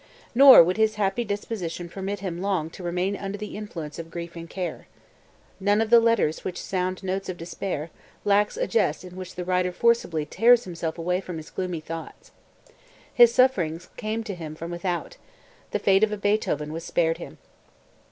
Nor would his happy disposition permit him long to remain under the influence of grief and care. None of the letters which sound notes of despair lacks a jest in which the writer forcibly tears himself away from his gloomy thoughts. His sufferings came to him from without; the fate of a Beethoven was spared him.